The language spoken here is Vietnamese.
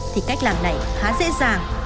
thì cách làm này khá dễ dàng